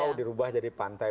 pulau dirubah jadi pantai